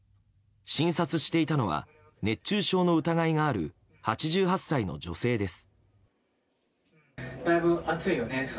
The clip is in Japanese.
診察していたのは熱中症の疑いがある８８歳の女性です。